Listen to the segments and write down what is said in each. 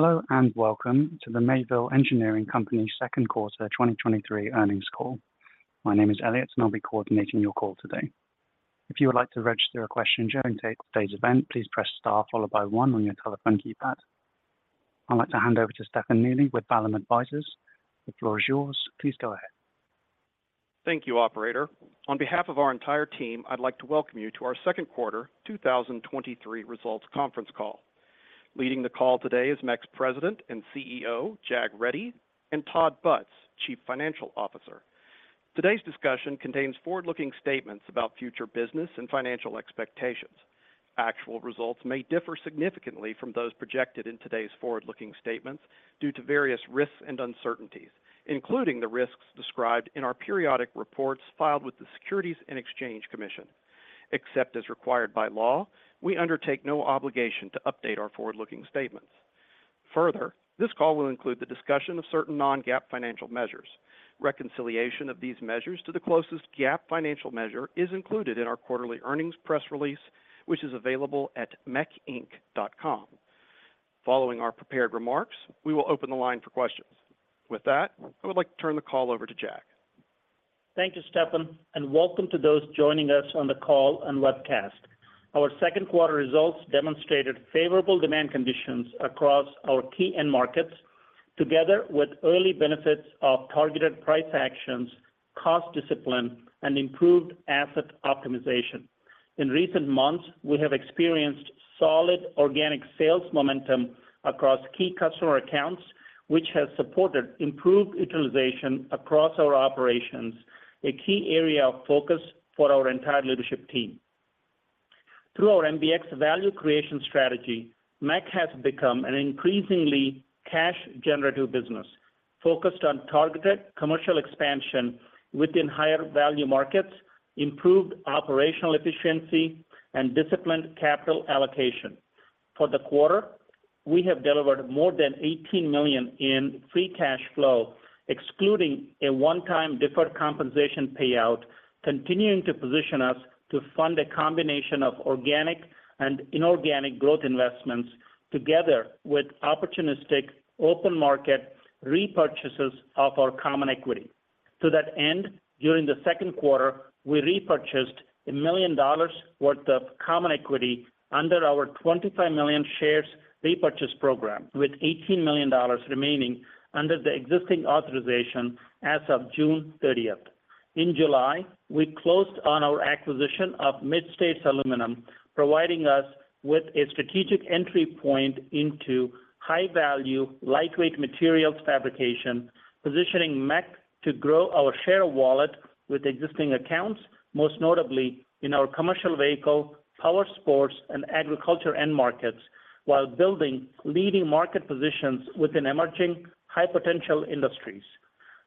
Hello, welcome to the Mayville Engineering Company Second Quarter 2023 Earnings Call. My name is Elliot, and I'll be coordinating your call today. If you would like to register a question during today's event, please press star, followed by one on your telephone keypad. I'd like to hand over to Stefan Neely with Vallum Advisors. The floor is yours. Please go ahead. Thank you, operator. On behalf of our entire team, I'd like to welcome you to our second quarter 2023 results conference call. Leading the call today is MEC's President and CEO, Jag Reddy, and Todd Butz, Chief Financial Officer. Today's discussion contains forward-looking statements about future business and financial expectations. Actual results may differ significantly from those projected in today's forward-looking statements due to various risks and uncertainties, including the risks described in our periodic reports filed with the Securities and Exchange Commission. Except as required by law, we undertake no obligation to update our forward-looking statements. This call will include the discussion of certain non-GAAP financial measures. Reconciliation of these measures to the closest GAAP financial measure is included in our quarterly earnings press release, which is available at mecinc.com. Following our prepared remarks, we will open the line for questions. With that, I would like to turn the call over to Jag. Thank you, Stefan, welcome to those joining us on the call and webcast. Our second quarter results demonstrated favorable demand conditions across our key end markets, together with early benefits of targeted price actions, cost discipline, and improved asset optimization. In recent months, we have experienced solid organic sales momentum across key customer accounts, which has supported improved utilization across our operations, a key area of focus for our entire leadership team. Through our MBX value creation strategy, MEC has become an increasingly cash-generative business, focused on targeted commercial expansion within higher value markets, improved operational efficiency, and disciplined capital allocation. For the quarter, we have delivered more than $18 million in free cash flow, excluding a one-time deferred compensation payout, continuing to position us to fund a combination of organic and inorganic growth investments together with opportunistic open market repurchases of our common equity. To that end, during the second quarter, we repurchased $1 million worth of common equity under our 25 million shares repurchase program, with $18 million remaining under the existing authorization as of June 30th. In July, we closed on our acquisition of Mid-States Aluminum, providing us with a strategic entry point into high-value, lightweight materials fabrication, positioning MEC to grow our share wallet with existing accounts, most notably in our commercial vehicle, powersports, and agriculture end markets, while building leading market positions within emerging high-potential industries.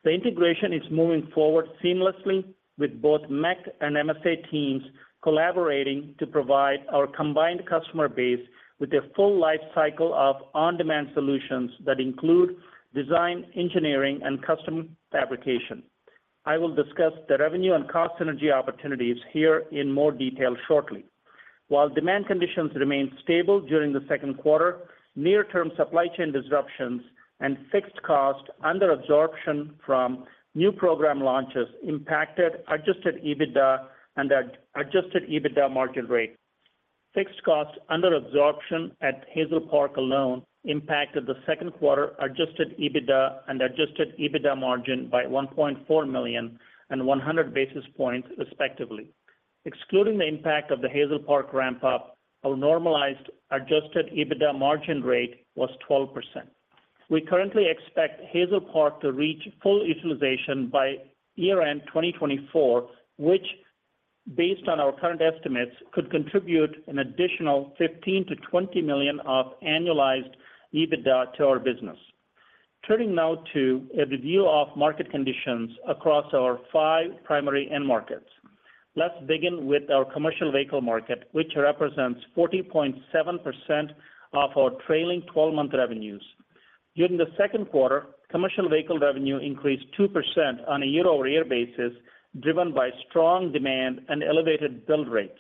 The integration is moving forward seamlessly with both MEC and MSA teams collaborating to provide our combined customer base with a full life cycle of on-demand solutions that include design, engineering, and custom fabrication. I will discuss the revenue and cost synergy opportunities here in more detail shortly. While demand conditions remained stable during the second quarter, near-term supply chain disruptions and fixed costs under absorption from new program launches impacted Adjusted EBITDA and Adjusted EBITDA margin rate. Fixed costs under absorption at Hazel Park alone impacted the second quarter Adjusted EBITDA and Adjusted EBITDA margin by $1.4 million and 100 basis points, respectively. Excluding the impact of the Hazel Park ramp-up, our normalized Adjusted EBITDA margin rate was 12%. We currently expect Hazel Park to reach full utilization by year-end 2024, which, based on our current estimates, could contribute an additional $15 million-$20 million of Annualized EBITDA to our business. Turning now to a review of market conditions across our five primary end markets. Let's begin with our commercial vehicle market, which represents 40.7% of our trailing twelve-month revenues. During the second quarter, commercial vehicle revenue increased 2% on a year-over-year basis, driven by strong demand and elevated build rates.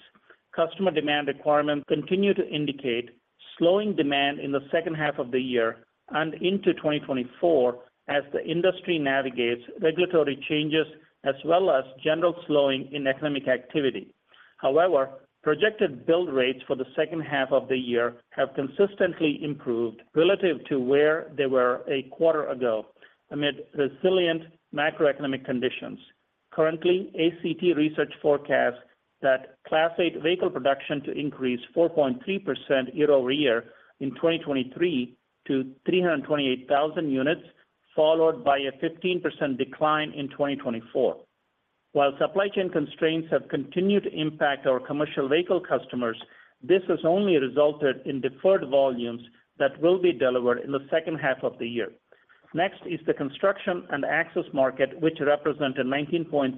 Customer demand requirements continue to indicate slowing demand in the second half of the year and into 2024 as the industry navigates regulatory changes as well as general slowing in economic activity. However, projected build rates for the second half of the year have consistently improved relative to where they were a quarter ago, amid resilient macroeconomic conditions. Currently, ACT Research forecasts that Class 8 vehicle production to increase 4.3% YoY in 2023 to 328,000 units, followed by a 15% decline in 2024. While supply chain constraints have continued to impact our commercial vehicle customers, this has only resulted in deferred volumes that will be delivered in the second half of the year. Next is the construction and access market, which represented 19.3%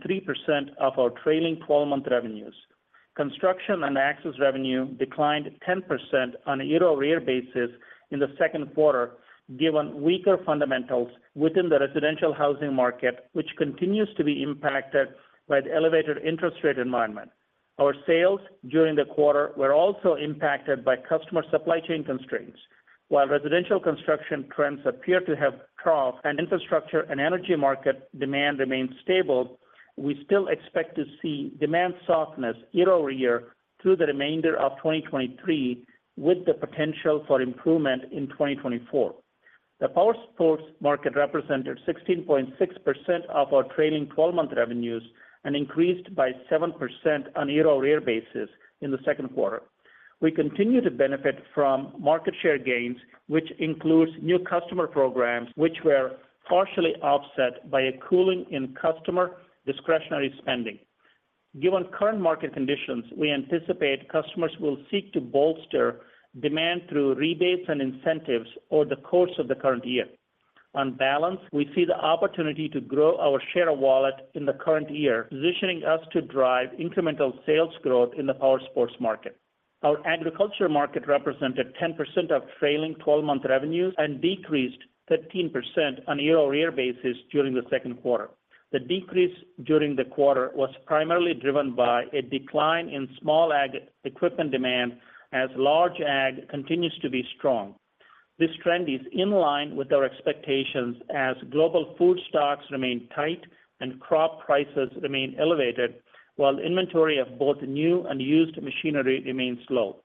of our trailing 12-month revenues. Construction and access revenue declined 10% on a year-over-year basis in the second quarter, given weaker fundamentals within the residential housing market, which continues to be impacted by the elevated interest rate environment. Our sales during the quarter were also impacted by customer supply chain constraints. While residential construction trends appear to have trough and infrastructure and energy market demand remains stable, we still expect to see demand softness year-over-year through the remainder of 2023, with the potential for improvement in 2024. The powersports market represented 16.6% of our trailing 12-month revenues and increased by 7% on a year-over-year basis in the second quarter. We continue to benefit from market share gains, which includes new customer programs, which were partially offset by a cooling in customer discretionary spending. Given current market conditions, we anticipate customers will seek to bolster demand through rebates and incentives over the course of the current year. On balance, we see the opportunity to grow our share of wallet in the current year, positioning us to drive incremental sales growth in the powersports market. Our agriculture market represented 10% of trailing 12-month revenues and decreased 13% on a year-over-year basis during the second quarter. The decrease during the quarter was primarily driven by a decline in small ag equipment demand as large ag continues to be strong. This trend is in line with our expectations as global food stocks remain tight and crop prices remain elevated, while inventory of both new and used machinery remains low.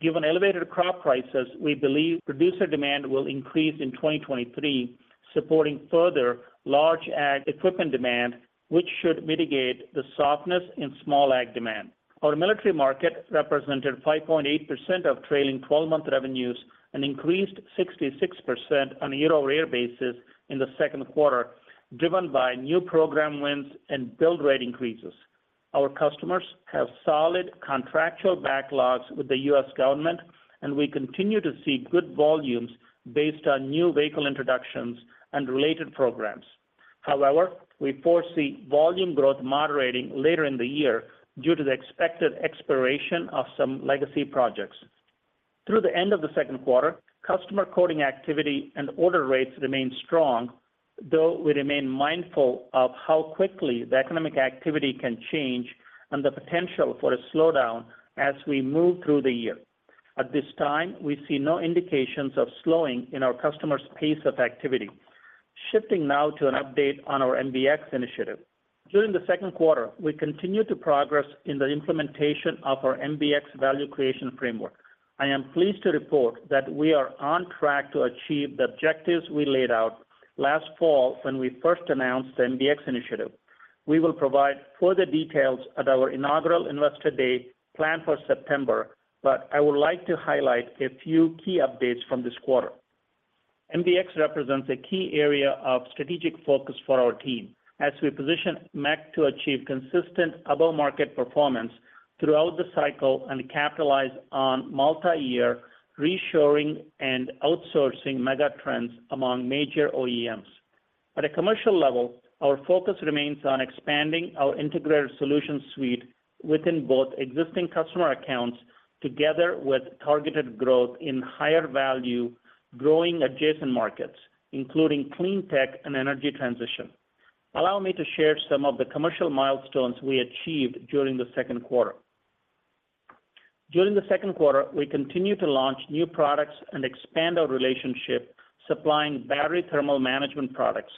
Given elevated crop prices, we believe producer demand will increase in 2023, supporting further large ag equipment demand, which should mitigate the softness in small ag demand. Our military market represented 5.8% of trailing twelve-month revenues and increased 66% on a year-over-year basis in the second quarter, driven by new program wins and build rate increases. Our customers have solid contractual backlogs with the U.S. government, and we continue to see good volumes based on new vehicle introductions and related programs. However, we foresee volume growth moderating later in the year due to the expected expiration of some legacy projects. Through the end of the second quarter, customer quoting activity and order rates remained strong, though we remain mindful of how quickly the economic activity can change and the potential for a slowdown as we move through the year. At this time, we see no indications of slowing in our customers' pace of activity. Shifting now to an update on our MBX initiative. During the second quarter, we continued to progress in the implementation of our MBX value creation framework. I am pleased to report that we are on track to achieve the objectives we laid out last fall when we first announced the MBX initiative. We will provide further details at our inaugural Investor Day planned for September, but I would like to highlight a few key updates from this quarter. MBX represents a key area of strategic focus for our team as we position MEC to achieve consistent above-market performance throughout the cycle and capitalize on multi-year reshoring and outsourcing mega trends among major OEMs. At a commercial level, our focus remains on expanding our integrated solution suite within both existing customer accounts, together with targeted growth in higher value, growing adjacent markets, including clean tech and energy transition. Allow me to share some of the commercial milestones we achieved during the second quarter. During the second quarter, we continued to launch new products and expand our relationship, supplying battery thermal management products.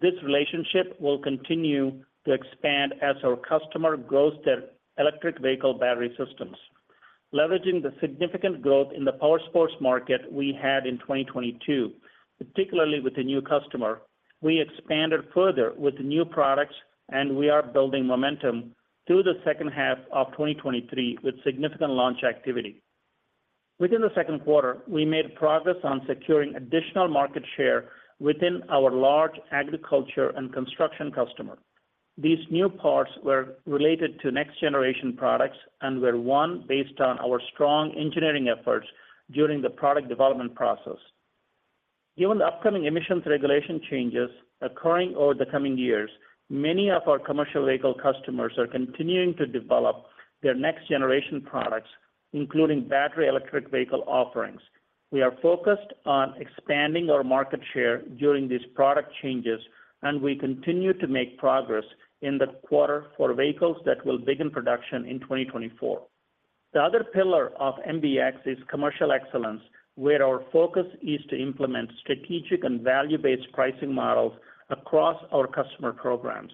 This relationship will continue to expand as our customer grows their electric vehicle battery systems. Leveraging the significant growth in the powersports market we had in 2022, particularly with the new customer, we expanded further with new products, and we are building momentum through the second half of 2023 with significant launch activity. Within the second quarter, we made progress on securing additional market share within our large agriculture and construction customer. These new parts were related to next-generation products and were won based on our strong engineering efforts during the product development process. Given the upcoming emissions regulation changes occurring over the coming years, many of our commercial vehicle customers are continuing to develop their next-generation products, including battery electric vehicle offerings. We are focused on expanding our market share during these product changes. We continue to make progress in the quarter for vehicles that will begin production in 2024. The other pillar of MBX is commercial excellence, where our focus is to implement strategic and value-based pricing models across our customer programs.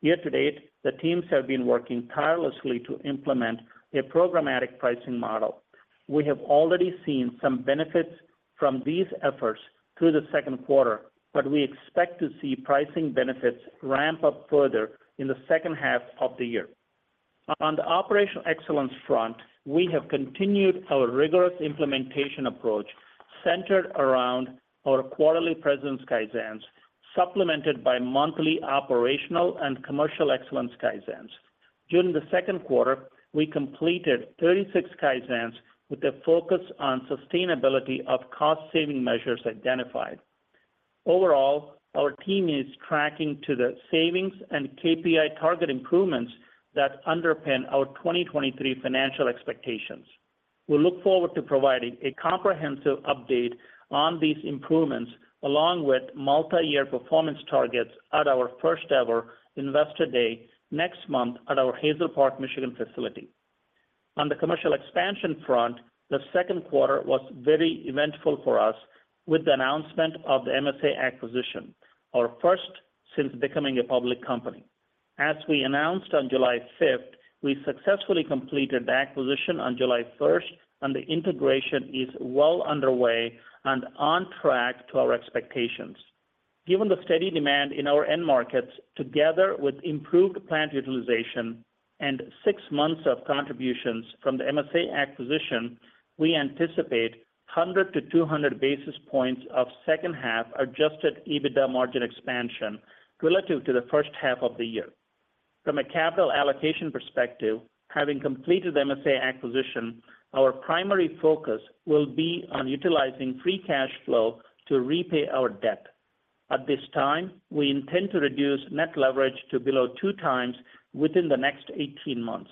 Year to date, the teams have been working tirelessly to implement a programmatic pricing model. We have already seen some benefits from these efforts through the second quarter. We expect to see pricing benefits ramp up further in the second half of the year. On the operational excellence front, we have continued our rigorous implementation approach centered around our quarterly presence Kaizens, supplemented by monthly operational and commercial excellence Kaizens. During the second quarter, we completed 36 Kaizens with a focus on sustainability of cost-saving measures identified. Overall, our team is tracking to the savings and KPI target improvements that underpin our 2023 financial expectations. We look forward to providing a comprehensive update on these improvements, along with multi-year performance targets at our first-ever Investor Day next month at our Hazel Park, Michigan facility. On the commercial expansion front, the second quarter was very eventful for us with the announcement of the MSA acquisition, our first since becoming a public company. As we announced on July 5th, we successfully completed the acquisition on July 1st, and the integration is well underway and on track to our expectations. Given the steady demand in our end markets, together with improved plant utilization and six months of contributions from the MSA acquisition, we anticipate 100-200 basis points of second half Adjusted EBITDA margin expansion relative to the first half of the year. From a capital allocation perspective, having completed the MSA acquisition, our primary focus will be on utilizing free cash flow to repay our debt. At this time, we intend to reduce net leverage to below 2 times within the next 18 months.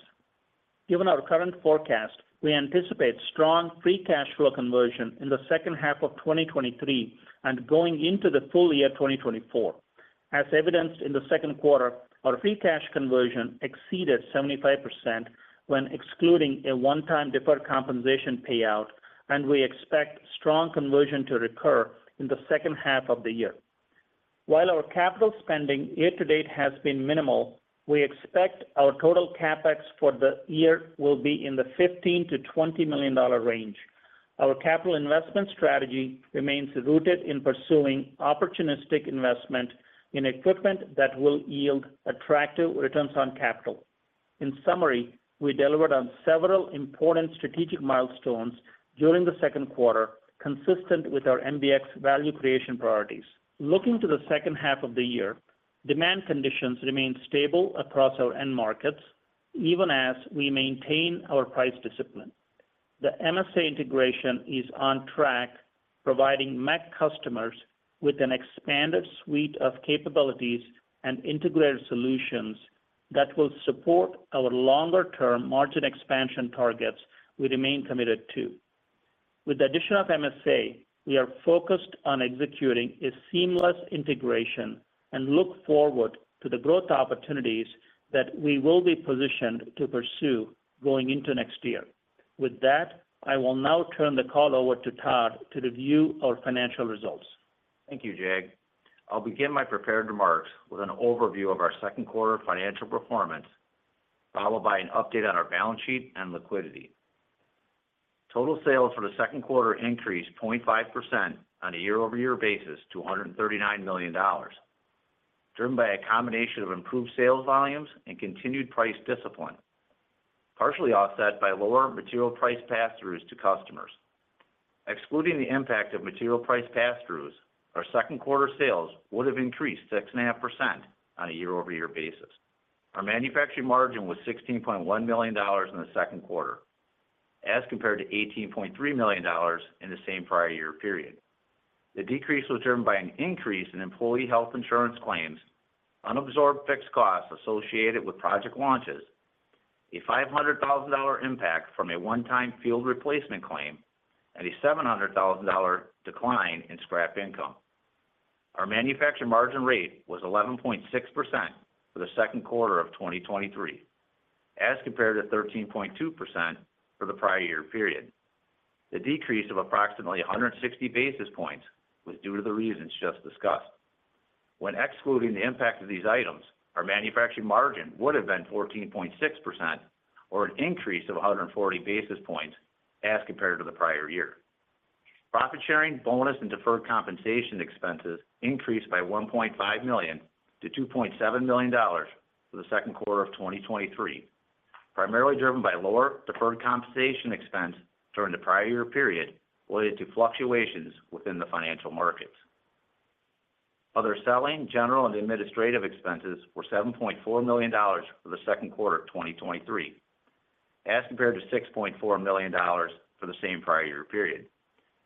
Given our current forecast, we anticipate strong free cash flow conversion in the second half of 2023 and going into the full year 2024. As evidenced in the second quarter, our free cash conversion exceeded 75% when excluding a one-time deferred compensation payout, and we expect strong conversion to recur in the second half of the year. While our capital spending year to date has been minimal, we expect our total CapEx for the year will be in the $15 million-$20 million range. Our capital investment strategy remains rooted in pursuing opportunistic investment in equipment that will yield attractive returns on capital. In summary, we delivered on several important strategic milestones during the second quarter, consistent with our MBX value creation priorities. Looking to the second half of the year, demand conditions remain stable across our end markets, even as we maintain our price discipline. The MSA integration is on track, providing MEC customers with an expanded suite of capabilities and integrated solutions that will support our longer-term margin expansion targets we remain committed to. With the addition of MSA, we are focused on executing a seamless integration and look forward to the growth opportunities that we will be positioned to pursue going into next year. With that, I will now turn the call over to Todd to review our financial results. Thank you, Jag. I'll begin my prepared remarks with an overview of our second quarter financial performance, followed by an update on our balance sheet and liquidity. Total sales for the second quarter increased 0.5% on a year-over-year basis to $139 million, driven by a combination of improved sales volumes and continued price discipline, partially offset by lower material price pass-throughs to customers. Excluding the impact of material price pass-throughs, our second quarter sales would have increased 6.5% on a year-over-year basis. Our manufacturing margin was $16.1 million in the second quarter, as compared to $18.3 million in the same prior year period. The decrease was driven by an increase in employee health insurance claims, unabsorbed fixed costs associated with project launches, a $500,000 impact from a one-time field replacement claim, and a $700,000 decline in scrap income. Our manufacturing margin rate was 11.6% for the second quarter of 2023, as compared to 13.2% for the prior year period. The decrease of approximately 160 basis points was due to the reasons just discussed. When excluding the impact of these items, our manufacturing margin would have been 14.6% or an increase of 140 basis points as compared to the prior year. Profit sharing, bonus, and deferred compensation expenses increased by $1.5 million to $2.7 million for the second quarter of 2023, primarily driven by lower deferred compensation expense during the prior year period related to fluctuations within the financial markets. Other selling, general, and administrative expenses were $7.4 million for the second quarter of 2023, as compared to $6.4 million for the same prior year period.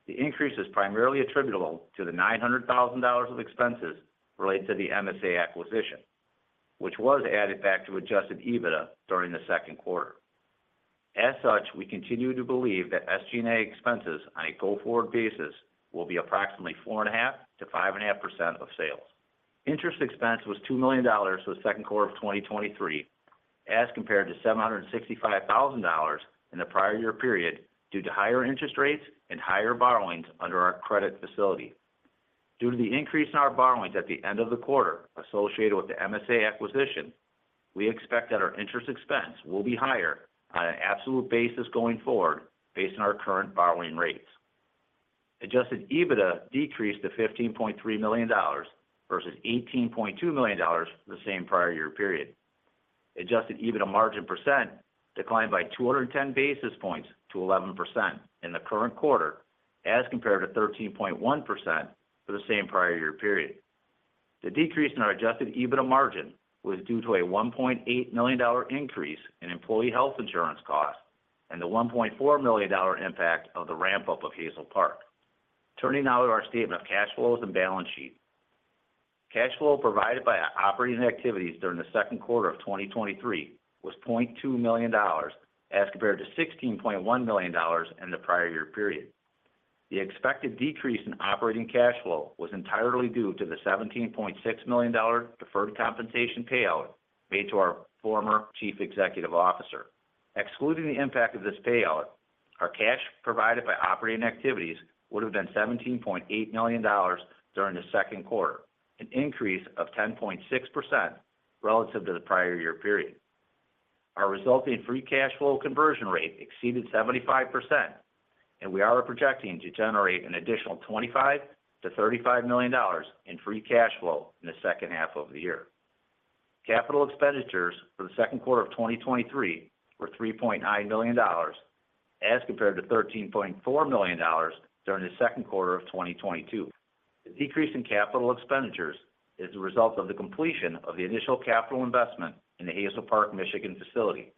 The increase is primarily attributable to the $900,000 of expenses related to the MSA acquisition, which was added back to Adjusted EBITDA during the second quarter. As such, we continue to believe that SG&A expenses on a go-forward basis will be approximately 4.5%-5.5% of sales. Interest expense was $2 million for the second quarter of 2023, as compared to $765,000 in the prior year period, due to higher interest rates and higher borrowings under our credit facility. Due to the increase in our borrowings at the end of the quarter associated with the MSA acquisition, we expect that our interest expense will be higher on an absolute basis going forward based on our current borrowing rates. Adjusted EBITDA decreased to $15.3 million versus $18.2 million the same prior year period. Adjusted EBITDA margin percent declined by 210 basis points to 11% in the current quarter, as compared to 13.1% for the same prior year period. The decrease in our Adjusted EBITDA margin was due to a $1.8 million increase in employee health insurance costs and a $1.4 million impact of the ramp-up of Hazel Park. Turning now to our statement of cash flows and balance sheet. Cash flow provided by our operating activities during the second quarter of 2023 was $0.2 million, as compared to $16.1 million in the prior year period. The expected decrease in operating cash flow was entirely due to the $17.6 million deferred compensation payout made to our former chief executive officer. Excluding the impact of this payout, our cash provided by operating activities would have been $17.8 million during the second quarter, an increase of 10.6% relative to the prior year period. Our resulting free cash flow conversion rate exceeded 75%, and we are projecting to generate an additional $25 million-$35 million in free cash flow in the second half of the year. Capital expenditures for the second quarter of 2023 were $3.9 million, as compared to $13.4 million during the second quarter of 2022. The decrease in capital expenditures is a result of the completion of the initial capital investment in the Hazel Park, Michigan facility,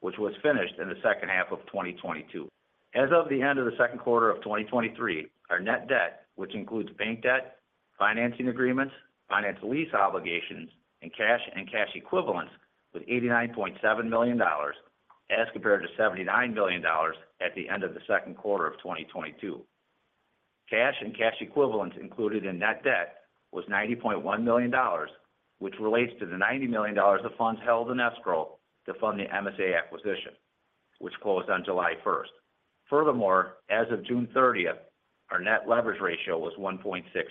which was finished in the second half of 2022. As of the end of the second quarter of 2023, our net debt, which includes bank debt, financing agreements, finance lease obligations, and cash and cash equivalents, was $89.7 million, as compared to $79 million at the end of the second quarter of 2022. Cash and cash equivalents included in net debt was $90.1 million, which relates to the $90 million of funds held in escrow to fund the MSA acquisition, which closed on July 1st. As of June 30th, our net leverage ratio was 1.6x.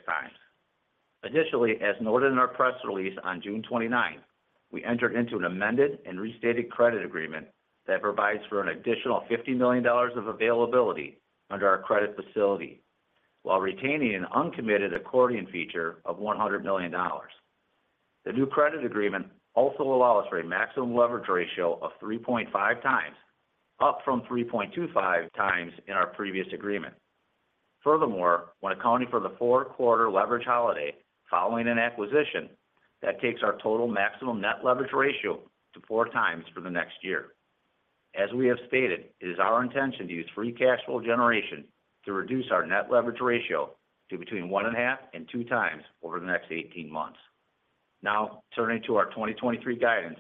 As noted in our press release on June 29th, we entered into an amended and restated credit agreement that provides for an additional $50 million of availability under our credit facility, while retaining an uncommitted accordion feature of $100 million. The new credit agreement also allows for a maximum leverage ratio of 3.5x, up from 3.25x in our previous agreement. When accounting for the 4-quarter leverage holiday following an acquisition, that takes our total maximum net leverage ratio to 4 times for the next year. As we have stated, it is our intention to use free cash flow generation to reduce our net leverage ratio to between 1.5 and 2 times over the next 18 months. Turning to our 2023 guidance.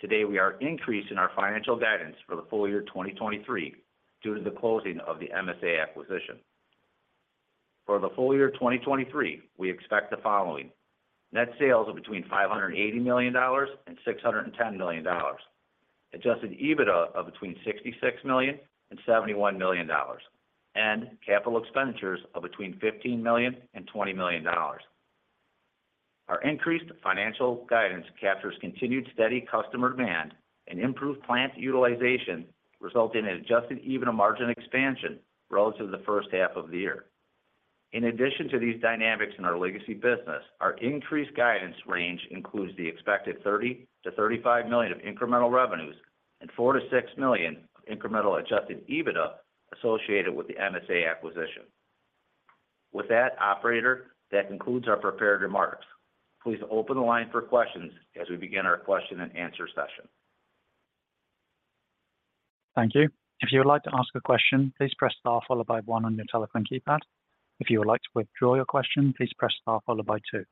Today, we are increasing our financial guidance for the full year 2023 due to the closing of the MSA acquisition. For the full year 2023, we expect the following: net sales of between $580 million and $610 million, Adjusted EBITDA of between $66 million and $71 million, and capital expenditures of between $15 million and $20 million. Our increased financial guidance captures continued steady customer demand and improved plant utilization, resulting in Adjusted EBITDA margin expansion relative to the first half of the year. In addition to these dynamics in our legacy business, our increased guidance range includes the expected $30 million-$35 million of incremental revenues and $4 million-$6 million of incremental Adjusted EBITDA associated with the MSA acquisition. With that, operator, that concludes our prepared remarks. Please open the line for questions as we begin our question and answer session. Thank you. If you would like to ask a question, please press star followed by one on your telephone keypad. If you would like to withdraw your question, please press star followed by two.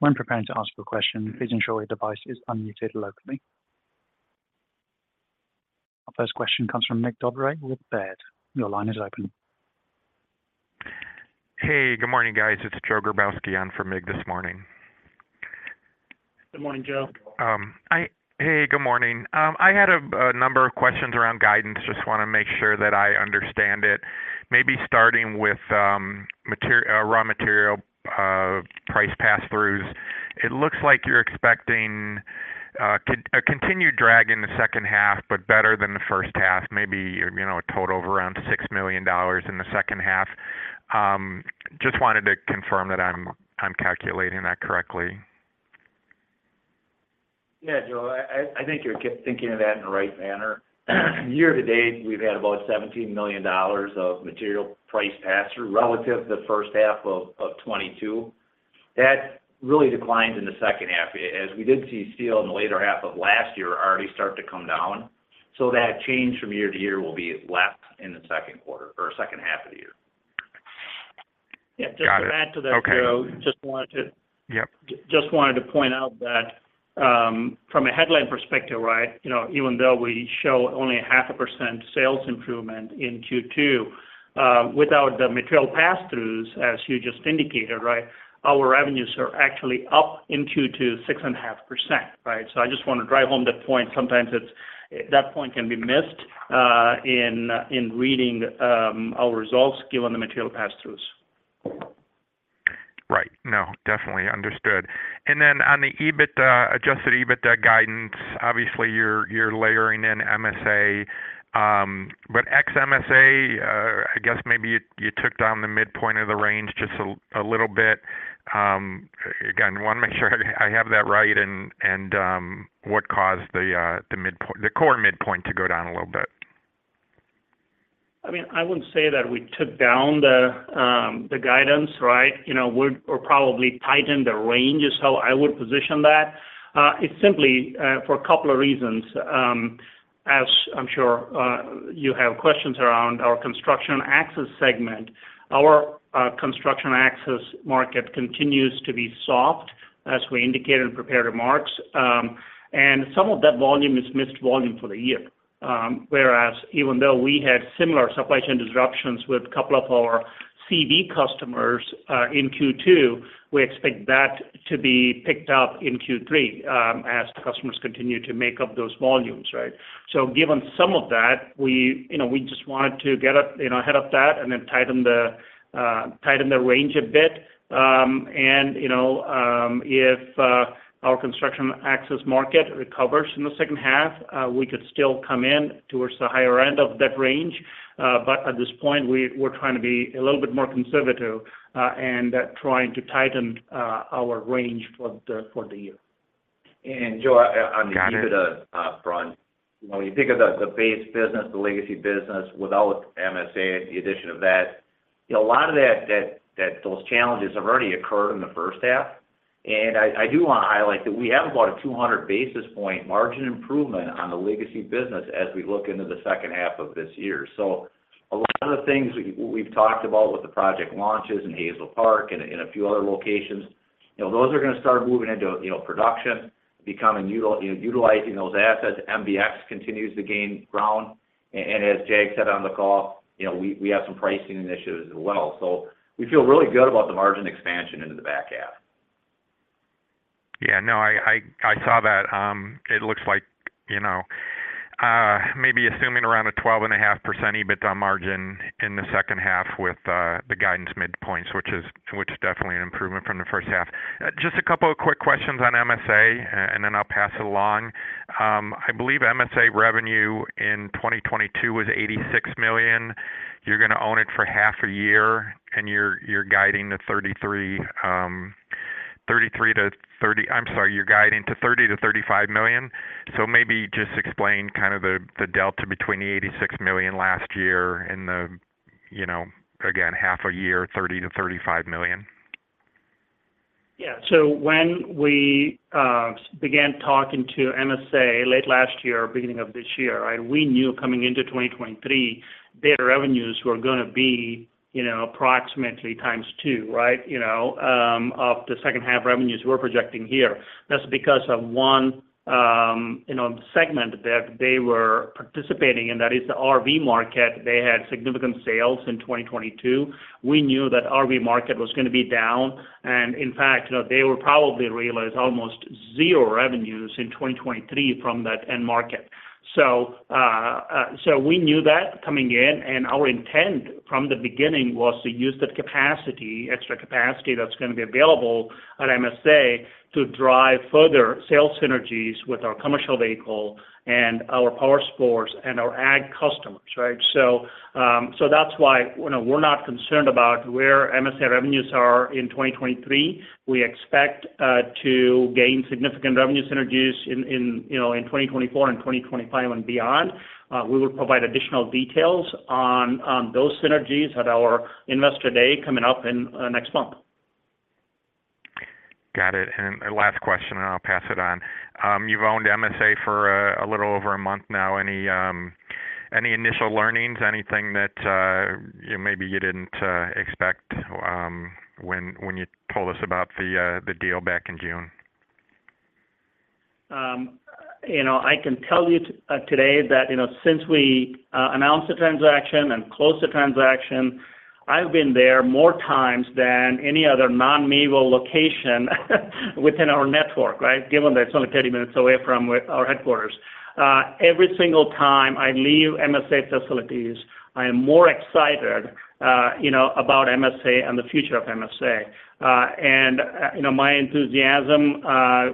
When preparing to ask a question, please ensure your device is unmuted locally. Our first question comes from Mig Dobre with Baird. Your line is open. Hey, good morning, guys. It's Joe Grabowski on for Mig this morning. Good morning, Joe. Hey, good morning. I had a, a number of questions around guidance. Just wanna make sure that I understand it. Maybe starting with, raw material, price pass-throughs. It looks like you're expecting a continued drag in the second half, but better than the first half, maybe, you know, a total of around $6 million in the second half. Just wanted to confirm that I'm, I'm calculating that correctly? Yeah, Joe, I think you're thinking of that in the right manner. Year to date, we've had about $17 million of material price pass-through relative to the first half of 2022. That really declines in the second half, as we did see steel in the later half of last year already start to come down. That change from year to year will be less in the second quarter or second half of the year. Got it. Okay. Yeah, just to add to that, Joe, just wanted to- Yep. Just wanted to point out that, from a headline perspective, right, you know, even though we show only a 0.5% sales improvement in Q2, without the material pass-throughs, as you just indicated, right, our revenues are actually up in Q2, 6.5%, right? I just want to drive home that point. Sometimes it's, that point can be missed, in, in reading, our results given the material pass-throughs. Right. No, definitely understood. Then on the EBITDA, Adjusted EBITDA guidance, obviously, you're, you're layering in MSA, but ex-MSA, I guess maybe you, you took down the midpoint of the range just a little bit. Again, want to make sure I, I have that right and, and, what caused the midpo-- the core midpoint to go down a little bit? I mean, I wouldn't say that we took down the guidance, right? You know, we're, we're probably tightened the range is how I would position that. It's simply for a couple of reasons. As I'm sure, you have questions around our construction access segment. Our construction access market continues to be soft as we indicated in prepared remarks. Some of that volume is missed volume for the year. Whereas even though we had similar supply chain disruptions with a couple of our CD customers, in Q2, we expect that to be picked up in Q3, as customers continue to make up those volumes, right? Given some of that, we, you know, we just wanted to get up, you know, ahead of that, and then tighten the tighten the range a bit. You know, if our construction access market recovers in the second half, we could still come in towards the higher end of that range. At this point, we're trying to be a little bit more conservative, and trying to tighten our range for the year. Joe, on the EBITDA front, when you think of the base business, the legacy business without MSA and the addition of that, you know, a lot of that, that, that those challenges have already occurred in the first half. I do wanna highlight that we have about a 200 basis point margin improvement on the legacy business as we look into the second half of this year. A lot of the things we, we've talked about with the project launches in Hazel Park and in a few other locations, you know, those are gonna start moving into, you know, production, becoming utilizing those assets. MBX continues to gain ground, and as Jag said on the call, you know, we have some pricing initiatives as well. We feel really good about the margin expansion into the back half. Yeah, no, I, I, I saw that. It looks like, you know, maybe assuming around a 12.5% EBITDA margin in the second half with the guidance midpoints, which is, which is definitely an improvement from the first half. Just a couple of quick questions on MSA, and then I'll pass it along. I believe MSA revenue in 2022 was $86 million. You're gonna own it for half a year, and you're, you're guiding to $30 million-$35 million. Maybe just explain kind of the, the delta between the $86 million last year and the, you know, again, half a year, $30 million-$35 million. Yeah. When we began talking to MSA late last year, beginning of this year, right, we knew coming into 2023, their revenues were gonna be, you know, approximately 2x, right? You know, of the second half revenues we're projecting here. That's because of one, you know, segment that they were participating in, that is the RV market. They had significant sales in 2022. We knew that RV market was gonna be down. In fact, you know, they will probably realize almost zero revenues in 2023 from that end market. We knew that coming in. Our intent from the beginning was to use the capacity, extra capacity that's gonna be available at MSA to drive further sales synergies with our commercial vehicle and our power sports and our ag customers, right? That's why, you know, we're not concerned about where MSA revenues are in 2023. We expect to gain significant revenue synergies in, in, you know, in 2024 and 2025 and beyond. We will provide additional details on, on those synergies at our Investor Day coming up in next month. Got it. Last question, and I'll pass it on. You've owned MSA for a little over a month now. Any initial learnings, anything that, you know, maybe you didn't expect when you told us about the deal back in June? You know, I can tell you today that, you know, since we announced the transaction and closed the transaction, I've been there more times than any other non-MEC location, within our network, right? Given that it's only 30 minutes away from our headquarters. Every single time I leave MSA facilities, I am more excited, you know, about MSA and the future of MSA. You know, my enthusiasm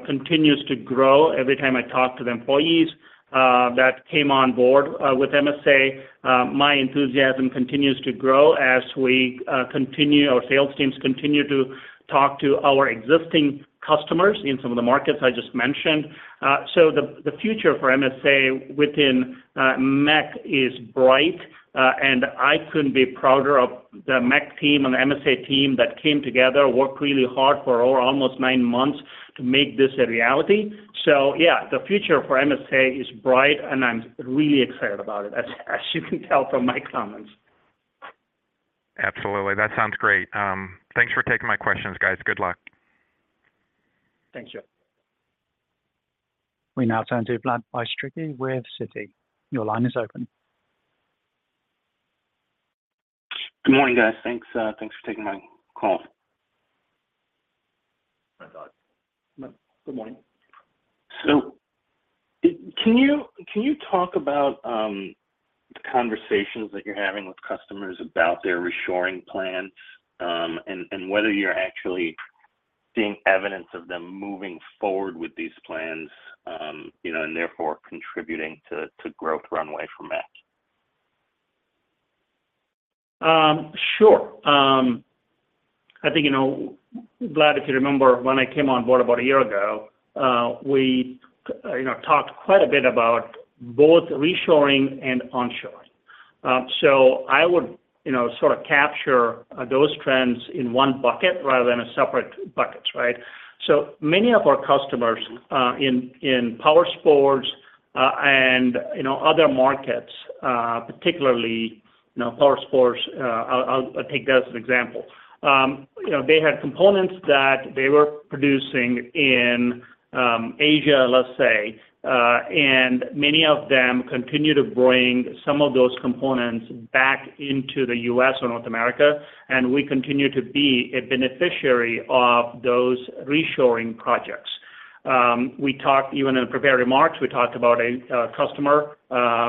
continues to grow every time I talk to the employees that came on board with MSA. My enthusiasm continues to grow as our sales teams continue to talk to our existing customers in some of the markets I just mentioned. The future for MSA within MEC is bright, and I couldn't be prouder of the MEC team and the MSA team that came together, worked really hard for over almost 9 months to make this a reality. The future for MSA is bright, and I'm really excited about it, as, as you can tell from my comments. Absolutely. That sounds great. Thanks for taking my questions, guys. Good luck. Thanks, Joe. We now turn to Vlad Bystricky with Citi. Your line is open. Good morning, guys. Thanks, thanks for taking my call. Hi, Vlad. Good morning. Can you, can you talk about the conversations that you're having with customers about their reshoring plans, and whether you're actually seeing evidence of them moving forward with these plans, you know, and therefore contributing to, to growth runway from that? Sure. I think, you know, Vlad, if you remember, when I came on board about a year ago, we, you know, talked quite a bit about both reshoring and onshoring. I would, you know, sort of capture those trends in one bucket rather than in separate buckets, right? Many of our customers, in power sports, and, you know, other markets, particularly, you know, power sports, I'll, I'll take that as an example. You know, they had components that they were producing in Asia, let's say, and many of them continue to bring some of those components back into the U.S. or North America, and we continue to be a beneficiary of those reshoring projects. Even in prepared remarks, we talked about a customer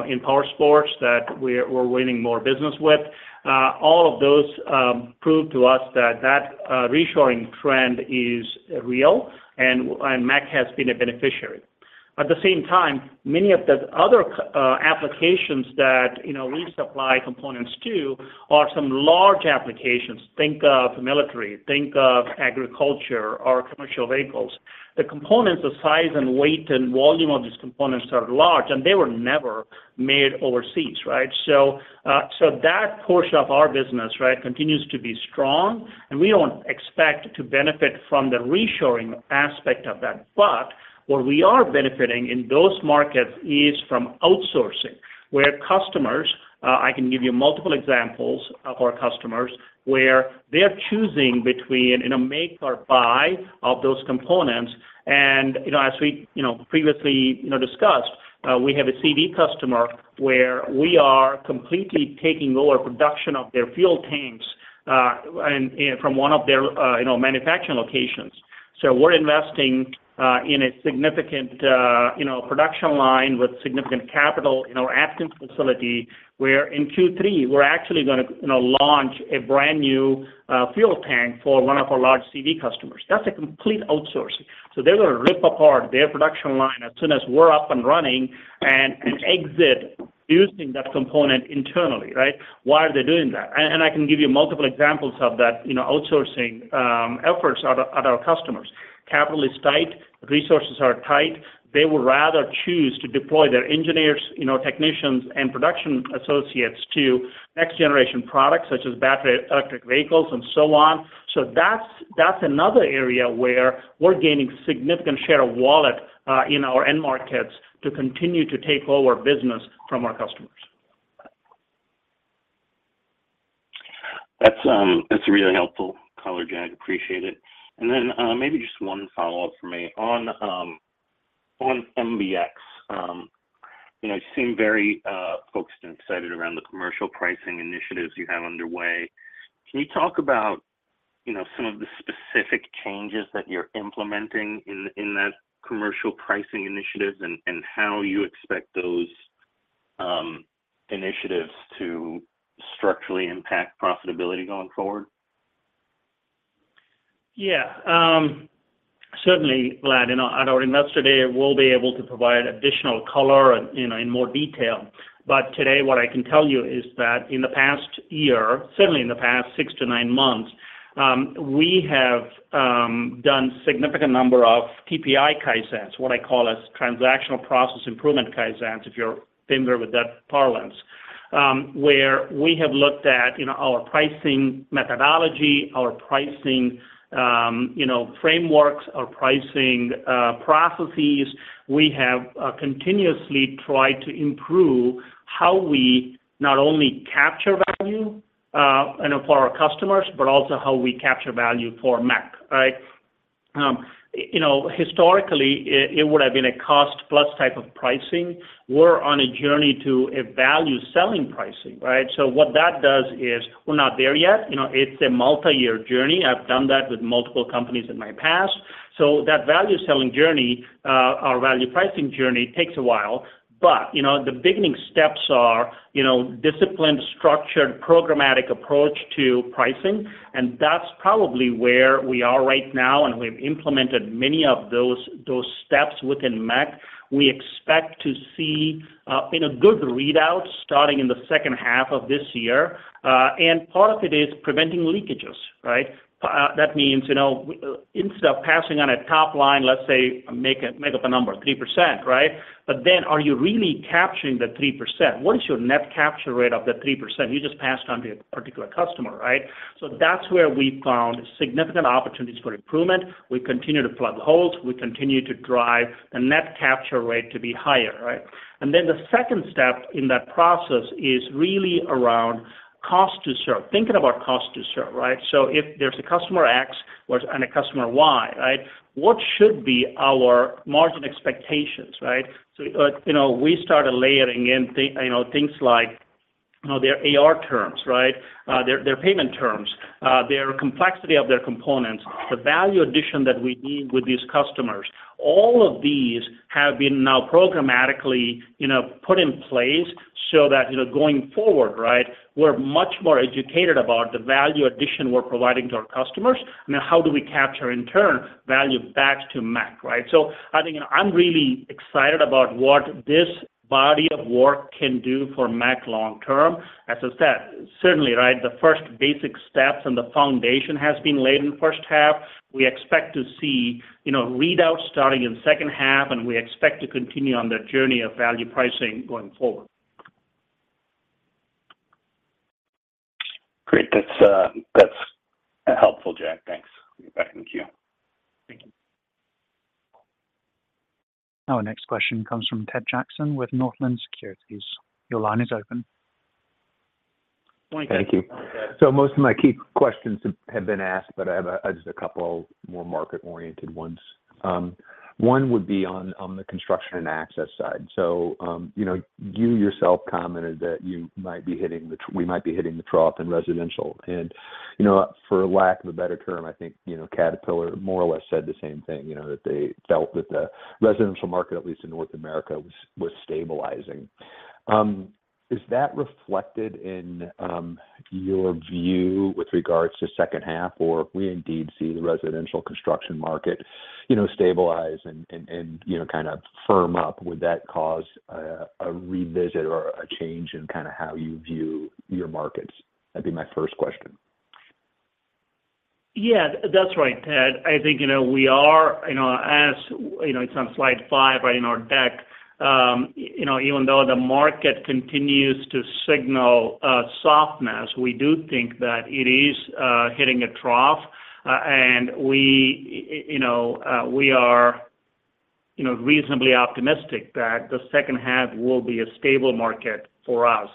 in Powersports that we're, we're winning more business with. All of those prove to us that that reshoring trend is real, and MEC has been a beneficiary. At the same time, many of the other applications that, you know, we supply components to, are some large applications. Think of military, think of agriculture or commercial vehicles. The components, the size and weight and volume of these components are large, and they were never made overseas, right? That portion of our business continues to be strong, and we don't expect to benefit from the reshoring aspect of that. What we are benefiting in those markets is from outsourcing, where customers, I can give you multiple examples of our customers, where they are choosing between, in a make or buy of those components. You know, as we, you know, previously, you know, discussed, we have a CD customer where we are completely taking over production of their fuel tanks, and, from one of their, you know, manufacturing locations. We're investing, in a significant, you know, production line with significant capital in our Athens facility, where in Q3, we're actually gonna, you know, launch a brand new, fuel tank for one of our large CD customers. That's a complete outsourcing. They're going to rip apart their production line as soon as we're up and running, and, and exit using that component internally, right? Why are they doing that? I can give you multiple examples of that, you know, outsourcing efforts at our customers. Capital is tight, resources are tight. They would rather choose to deploy their engineers, you know, technicians and production associates to next generation products, such as battery electric vehicles and so on. That's, that's another area where we're gaining significant share of wallet in our end markets to continue to take over business from our customers. That's, that's really helpful color Jag I appreciate it. Then, maybe just one follow-up for me. On, on MBX, you know, you seem very, focused and excited around the commercial pricing initiatives you have underway. Can you talk about, you know, some of the specific changes that you're implementing in, in that commercial pricing initiatives, and, and how you expect those, initiatives to structurally impact profitability going forward? Yeah, certainly, Vlad, you know, at our Investor Day, we'll be able to provide additional color, you know, in more detail. Today, what I can tell you is that in the past year, certainly in the past six to nine months, we have done significant number of TPI Kaizens, what I call a Transactional Process Improvement Kaizens, if you're familiar with that parlance, where we have looked at, you know, our pricing methodology, our pricing, you know, frameworks, our pricing processes. We have continuously tried to improve how we not only capture value, you know, for our customers, but also how we capture value for MEC, right? You know, historically, it, it would have been a cost-plus type of pricing. We're on a journey to a value-selling pricing, right? What that does is, we're not there yet, you know, it's a multi-year journey. I've done that with multiple companies in my past. That value-selling journey, or value pricing journey takes a while, but, you know, the beginning steps are, you know, disciplined, structured, programmatic approach to pricing, and that's probably where we are right now, and we've implemented many of those, those steps within MEC. We expect to see, you know, good readouts starting in the second half of this year, and part of it is preventing leakages, right? That means, you know, instead of passing on a top line, let's say, make a, make up a number, 3%, right? Are you really capturing the 3%? What is your net capture rate of the 3% you just passed on to a particular customer, right? That's where we found significant opportunities for improvement. We continue to plug holes, we continue to drive the net capture rate to be higher, right? Then the second step in that process is really around cost to serve. Thinking about cost to serve, right? If there's a customer X and a customer Y, right? What should be our margin expectations, right? You know, we started layering in you know, things like, you know, their AR terms, right? Their, their payment terms, their complexity of their components, the value addition that we need with these customers. All of these have been now programmatically, you know, put in place so that, you know, going forward, right, we're much more educated about the value addition we're providing to our customers, and how do we capture in turn, value back to MEC, right? I think, you know, I'm really excited about what this body of work can do for MEC long term. As I said, certainly, right, the first basic steps and the foundation has been laid in the first half. We expect to see, you know, readouts starting in second half, and we expect to continue on that journey of value pricing going forward. That's, that's helpful, Jag. Thanks. Back in queue. Thank you. Our next question comes from Ted Jackson with Northland Securities. Your line is open. Thank you. Most of my key questions have, have been asked, but I have just a couple more market-oriented ones. One would be on the construction and access side. You know, you yourself commented that you might be hitting the we might be hitting the trough in residential. You know, for lack of a better term, I think, you know, Caterpillar more or less said the same thing, you know, that they felt that the residential market, at least in North America, was, was stabilizing. Is that reflected in your view with regards to second half? If we indeed see the residential construction market, you know, stabilize and, and, and, you know, kind of firm up, would that cause a revisit or a change in kind of how you view your markets? That'd be my first question. Yeah, that's right, Ted. I think, you know, we are, you know, as, you know, it's on slide 5 in our deck. You know, even though the market continues to signal softness, we do think that it is hitting a trough. We, you know, we are, you know, reasonably optimistic that the second half will be a stable market for us.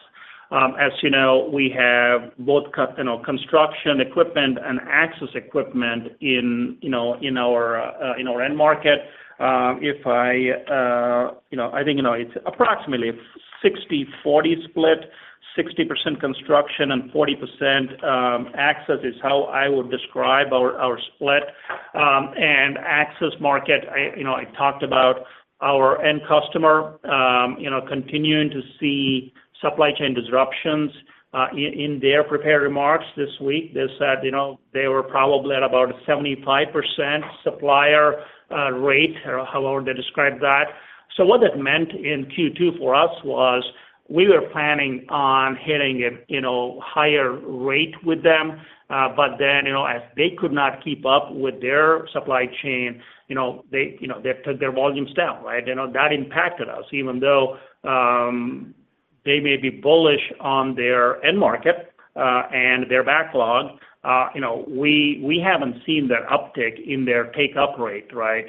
As you know, we have both, kind of, construction equipment and access equipment in, you know, in our end market. You know, I think, you know, it's approximately 60/40 split, 60% construction and 40% access, is how I would describe our, our split. Access market, I, you know, I talked about our end customer, you know, continuing to see supply chain disruptions. In, in their prepared remarks this week, they said, you know, they were probably at about 75% supplier rate, or however they described that. What that meant in Q2 for us was, we were planning on hitting a higher rate with them. Then, as they could not keep up with their supply chain, they took their volumes down, right? That impacted us, even though they may be bullish on their end market and their backlog, we haven't seen that uptick in their take-up rate, right,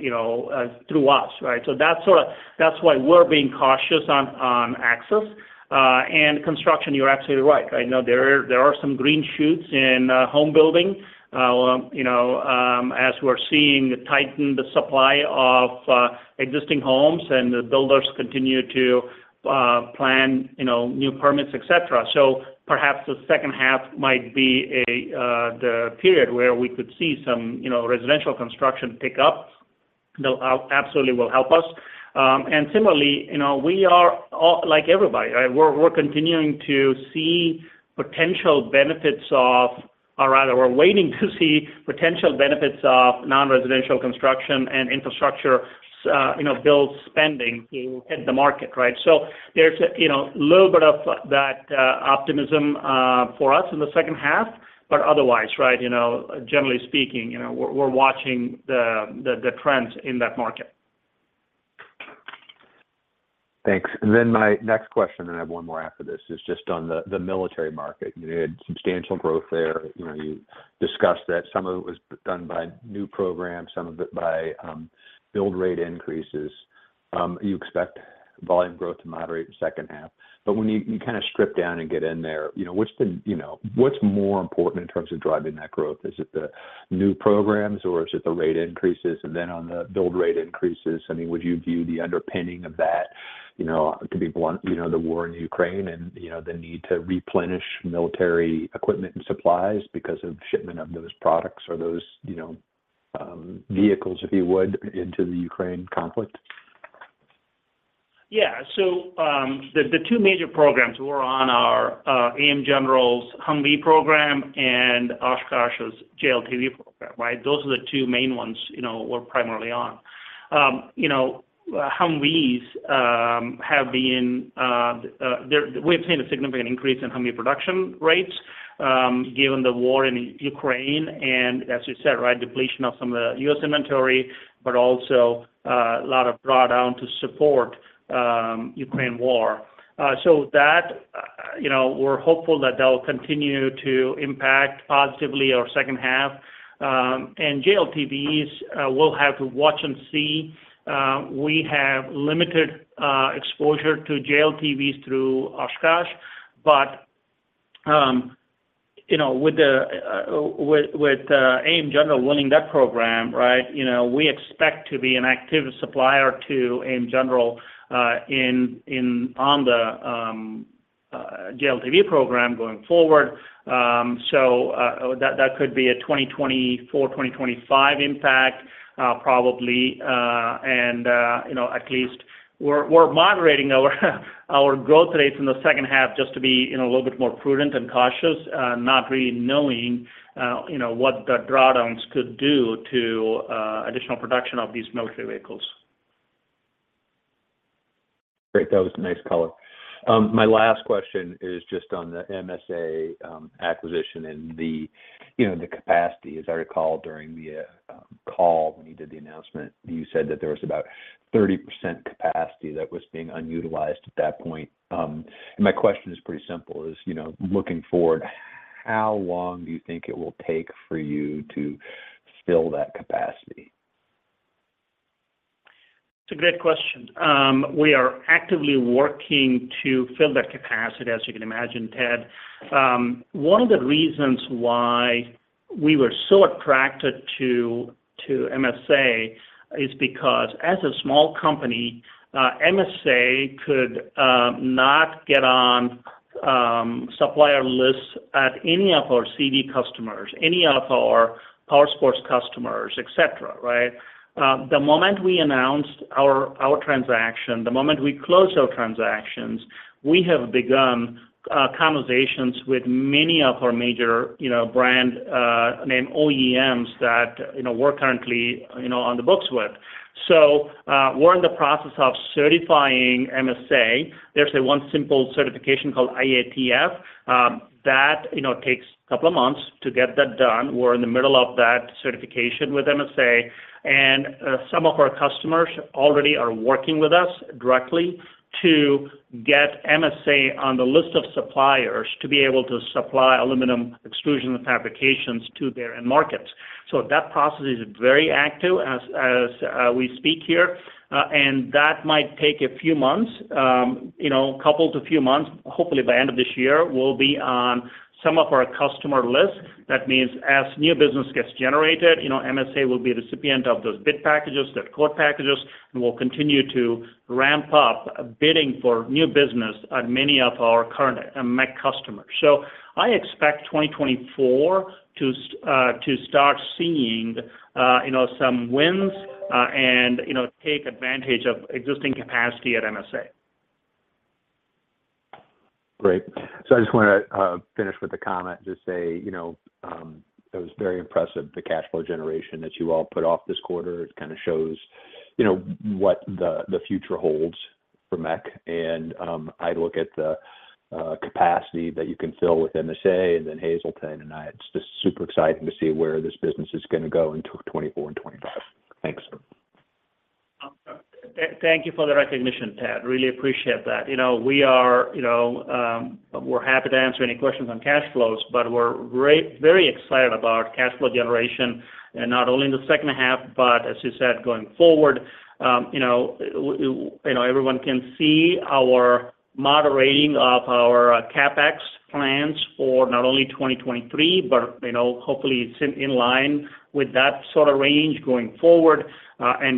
through us, right? That's sort of- that's why we're being cautious on, on access and construction, you're absolutely right. I know there are, there are some green shoots in home building. You know, as we're seeing tighten the supply of existing homes, and the builders continue to plan, you know, new permits, et cetera. Perhaps the second half might be the period where we could see some, you know, residential construction pick up. That absolutely will help us. Similarly, you know, we are all like everybody, right? We're continuing to see potential benefits of- or rather, we're waiting to see potential benefits of non-residential construction and infrastructure, you know, build spending in the market, right? There's a, you know, little bit of that optimism for us in the second half, but otherwise, right, you know, generally speaking, you know, we're watching the trends in that market. Thanks. Then my next question, and I have one more after this, is just on the, the military market. You had substantial growth there. You know, you discussed that some of it was done by new programs, some of it by build rate increases. You expect volume growth to moderate in second half. When you, you kind of strip down and get in there, you know, what's the, you know, what's more important in terms of driving that growth? Is it the new programs or is it the rate increases? Then on the build rate increases, I mean, would you view the underpinning of that, you know, to be blunt, you know, the war in Ukraine and, you know, the need to replenish military equipment and supplies because of shipment of those products or those, you know, vehicles, if you would, into the Ukraine conflict? Yeah. The two major programs were on our AM General's Humvee program and Oshkosh's JLTV program, right? Those are the two main ones, you know, we're primarily on. You know, Humvees have been, we've seen a significant increase in Humvee production rates, given the war in Ukraine, as you said, right, depletion of some of the U.S. inventory, also a lot of drawdown to support Ukraine war. That, you know, we're hopeful that they'll continue to impact positively our second half. JLTVs, we'll have to watch and see. We have limited exposure to JLTVs through Oshkosh. You know, with AM General winning that program, right, you know, we expect to be an active supplier to AM General on the JLTV program going forward. That could be a 2024, 2025 impact, probably. You know, at least we're moderating our growth rates in the second half just to be, you know, a little bit more prudent and cautious, not really knowing, you know, what the drawdowns could do to additional production of these military vehicles. Great. That was a nice color. My last question is just on the MSA acquisition and the, you know, the capacity, as I recall, during the call, when you did the announcement, you said that there was about 30% capacity that was being unutilized at that point. My question is pretty simple, is, you know, looking forward, how long do you think it will take for you to fill that capacity? It's a great question. We are actively working to fill that capacity, as you can imagine, Ted. One of the reasons why we were so attracted to, to MSA is because as a small company, MSA could not get on supplier lists at any of our CD customers, any of our power sports customers, et cetera, right? The moment we announced our, our transaction, the moment we closed our transactions, we have begun conversations with many of our major, you know, brand, name OEMs that, you know, we're currently, you know, on the books with. We're in the process of certifying MSA. There's a one simple certification called IATF, that, you know, takes a couple of months to get that done. We're in the middle of that certification with MSA, and some of our customers already are working with us directly to get MSA on the list of suppliers, to be able to supply aluminum extrusion fabrications to their end markets. That process is very active as, as we speak here, and that might take a few months, you know, couple to few months. Hopefully, by end of this year, we'll be on some of our customer lists. That means as new business gets generated, you know, MSA will be a recipient of those bid packages, the quote packages, and we'll continue to ramp up bidding for new business on many of our current MEC customers. I expect 2024 to start seeing, you know, some wins, and, you know, take advantage of existing capacity at MSA. Great. So I just wanna finish with a comment. Just say, you know, it was very impressive, the cash flow generation that you all put off this quarter. It kinda shows, you know, what the future holds for MEC. And I look at the capacity that you can fill with MSA and then Hazel Park. It's just super exciting to see where this business gonna go into 2024 and 2025. Thanks. Thank you for the recognition, Ted. Really appreciate that. You know, we are, you know, we're happy to answer any questions on cash flows, but we're very excited about cash flow generation, and not only in the second half, but as you said, going forward. You know, everyone can see our moderating of our CapEx plans for not only 2023, but, you know, hopefully it's in, in line with that sort of range going forward.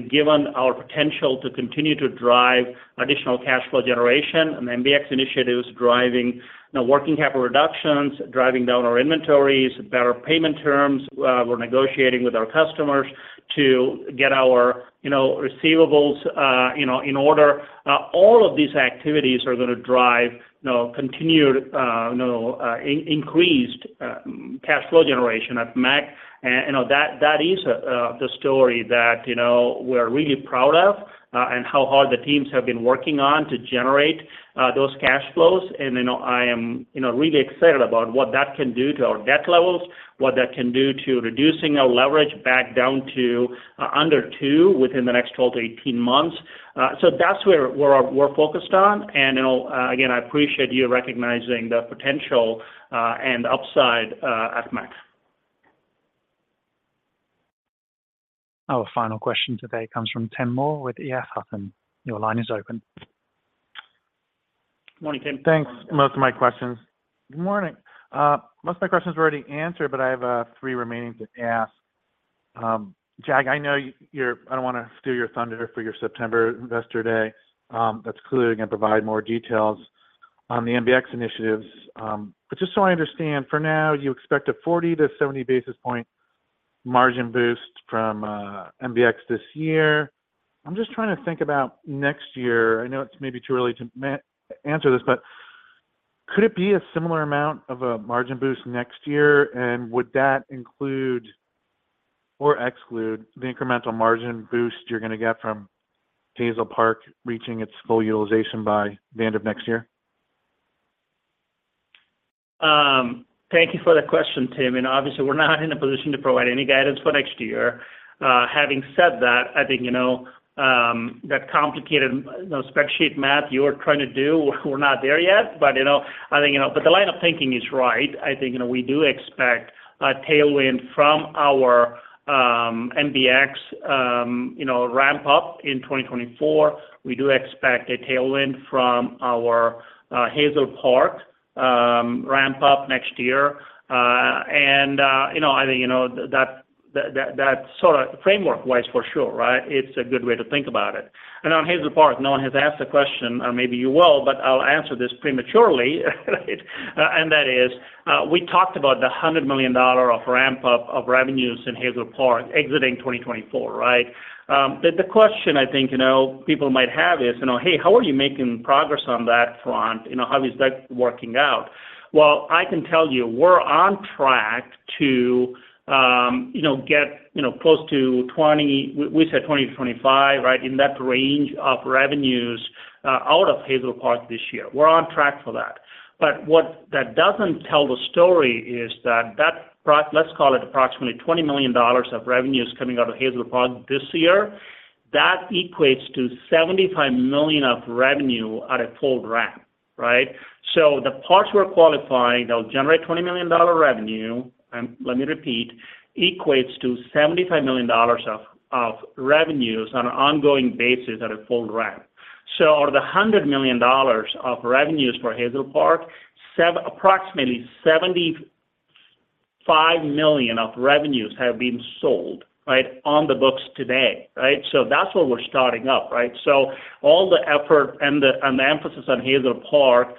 Given our potential to continue to drive additional cash flow generation and MBX initiatives driving, you know, working capital reductions, driving down our inventories, better payment terms. We're negotiating with our customers to get our, you know, receivables, you know, in order. All of these activities are gonna drive, you know, continued, you know, increased cash flow generation at MEC. You know, that, that is the story that, you know, we're really proud of and how hard the teams have been working on to generate those cash flows. You know, I am, you know, really excited about what that can do to our debt levels, what that can do to reducing our leverage back down to under 2 within the next 12-18 months. That's where we're, we're focused on. You know, again, I appreciate you recognizing the potential and upside at MEC. Our final question today comes from Tim Moore with EF Hutton. Your line is open. Good morning, Tim. Thanks. Most of my questions- Good morning. Most of my questions were already answered, I have 3 remaining to ask. Jag, I know I don't wanna steal your thunder for your September Investor Day, that's clearly gonna provide more details on the MBX initiatives. Just so I understand, for now, you expect a 40-70 basis points margin boost from MBX this year. I'm just trying to think about next year. I know it's maybe too early to answer this, but could it be a similar amount of a margin boost next year? Would that include or exclude the incremental margin boost you're gonna get from Hazel Park reaching its full utilization by the end of next year? Thank you for the question, Tim, and obviously, we're not in a position to provide any guidance for next year. Having said that, I think, you know, that complicated, you know, spec sheet math you're trying to do, we're not there yet. You know, I think, you know, the line of thinking is right. I think, you know, we do expect a tailwind from our MBX, you know, ramp-up in 2024. We do expect a tailwind from our Hazel Park ramp-up next year. You know, I think, you know, that, that, that sort of framework wise for sure, right? It's a good way to think about it. On Hazel Park, no one has asked the question, or maybe you will, but I'll answer this prematurely, right? That is, we talked about the $100 million of ramp-up of revenues in Hazel Park exiting 2024, right? The question I think, you know, people might have is: You know, "Hey, how are you making progress on that front? You know, how is that working out?" Well, I can tell you, we're on track to, you know, get, you know, close to We, we said $20-$25 million, right? In that range of revenues out of Hazel Park this year. We're on track for that. What that doesn't tell the story is that, that approximately $20 million of revenue is coming out of Hazel Park this year. That equates to $75 million of revenue at a full ramp, right? The parts we're qualifying, they'll generate $20 million revenue, and let me repeat, equates to $75 million of revenues on an ongoing basis at a full ramp. Out of the $100 million of revenues for Hazel Park, approximately $75 million of revenues have been sold, right, on the books today, right. That's where we're starting up, right. All the effort and the, and the emphasis on Hazel Park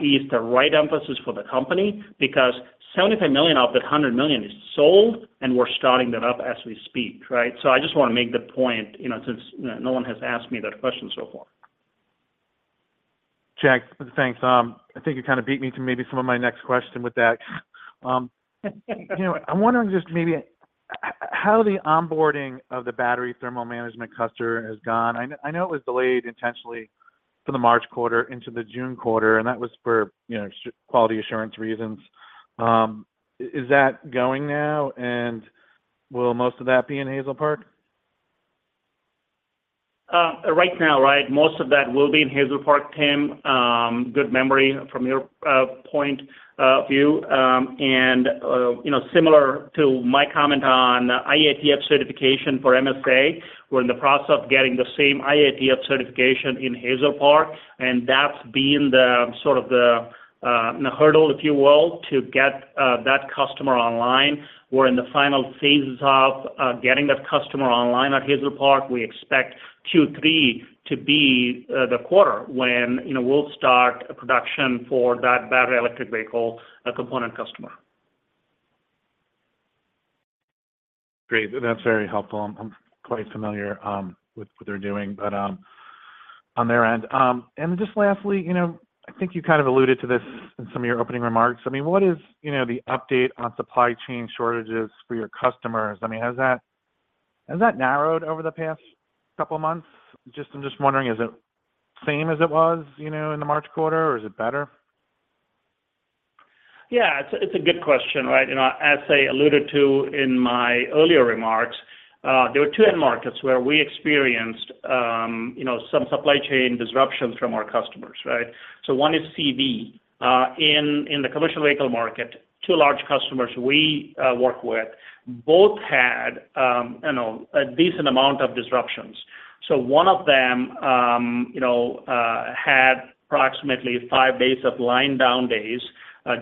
is the right emphasis for the company, because $75 million of that $100 million is sold, and we're starting that up as we speak, right. I just wanna make the point, you know, since no one has asked me that question so far. Jag, thanks. I think you kind of beat me to maybe some of my next question with that. You know, I'm wondering just maybe, how the onboarding of the battery thermal management customer has gone. I know it was delayed intentionally for the March quarter into the June quarter, and that was for, you know, quality assurance reasons. Is that going now? Will most of that be in Hazel Park? Right now, right, most of that will be in Hazel Park, Tim. Good memory from your point view. You know, similar to my comment on IATF certification for MSA, we're in the process of getting the same IATF certification in Hazel Park, and that's been the, sort of the hurdle, if you will, to get that customer online. We're in the final phases of getting that customer online at Hazel Park. We expect Q3 to be the quarter when, you know, we'll start production for that battery electric vehicle component customer. Great. That's very helpful. I'm, I'm quite familiar, with what they're doing, but, on their end. Just lastly, you know, I think you kind of alluded to this in some of your opening remarks. I mean, what is, you know, the update on supply chain shortages for your customers? I mean, has that, has that narrowed over the past couple of months? I'm just wondering, is it same as it was, you know, in the March quarter, or is it better? Yeah, it's a, it's a good question, right? You know, as I alluded to in my earlier remarks, there were 2 end markets where we experienced, you know, some supply chain disruptions from our customers, right? One is CD. In the commercial vehicle market, 2 large customers we work with, both had, you know, a decent amount of disruptions. One of them, you know, had approximately 5 days of line down days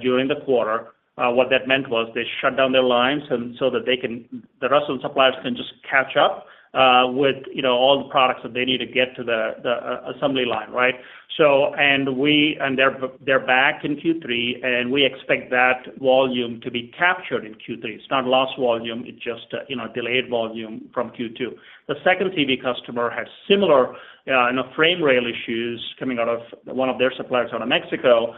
during the quarter. What that meant was they shut down their lines and so that they can... the rest of the suppliers can just catch up with, you know, all the products that they need to get to the assembly line, right? They're, they're back in Q3, and we expect that volume to be captured in Q3. It's not lost volume, it's just, you know, delayed volume from Q2. The second CD customer had similar, you know, frame rail issues coming out of one of their suppliers out of Mexico.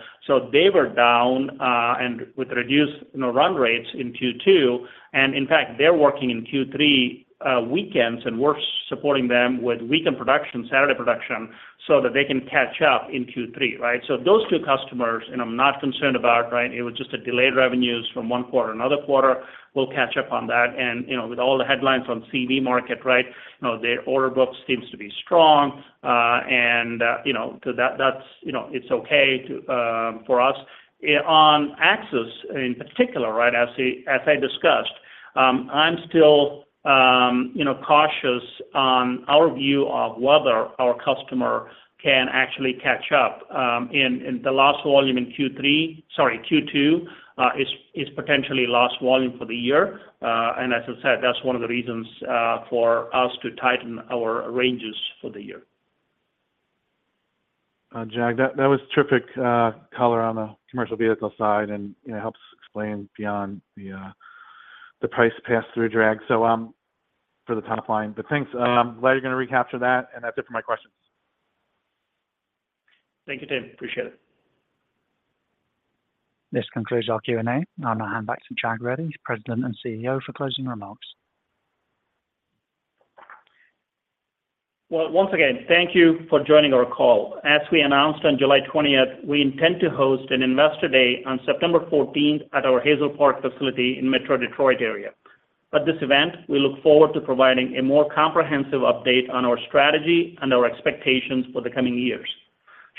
They were down, and with reduced, you know, run rates in Q2. In fact, they're working in Q3, weekends, and we're supporting them with weekend production, Saturday production, so that they can catch up in Q3, right? Those two customers, and I'm not concerned about, right, it was just a delayed revenues from one quarter another quarter. We'll catch up on that, and, you know, with all the headlines on CD market, right, you know, their order book seems to be strong, and, you know, so that, that's, you know, it's okay to for us. On Axis in particular, right, as I, as I discussed, I'm still, you know, cautious on our view of whether our customer can actually catch up, in, in the lost volume in Q3, sorry, Q2, is, is potentially lost volume for the year. As I said, that's one of the reasons, for us to tighten our ranges for the year. Jag, that, that was terrific color on the commercial vehicle side and, you know, helps explain beyond the price pass-through drag. [Pardon the pun], but thanks. Glad you're gonna recapture that, and that's it for my questions. Thank you, Tim. Appreciate it. This concludes our Q&A. I'll now hand back to Jag Reddy, President and CEO, for closing remarks. Well, once again, thank you for joining our call. As we announced on July 20th, we intend to host an Investor Day on September 14th at our Hazel Park facility in Metro Detroit area. At this event, we look forward to providing a more comprehensive update on our strategy and our expectations for the coming years.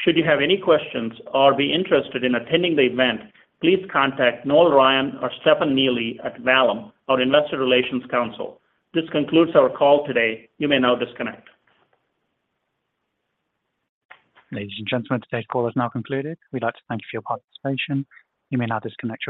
Should you have any questions or be interested in attending the event, please contact Noel Ryan or Stefan Neely at Vallum, our Investor Relations Council. This concludes our call today. You may now disconnect. Ladies and gentlemen, today's call is now concluded. We'd like to thank you for your participation. You may now disconnect.